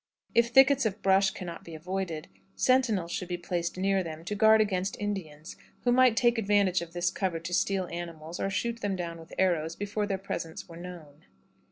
If thickets of brush can not be avoided, sentinels should be placed near them, to guard against Indians, who might take advantage of this cover to steal animals, or shoot them down with arrows, before their presence were known.